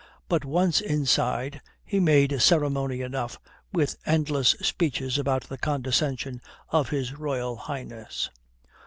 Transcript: But once inside, he made ceremony enough, with endless speeches about the condescension of His Royal Highness.